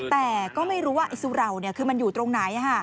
แต่ก็ไม่รู้ว่าไอ้สุเหล่าคือมันอยู่ตรงไหน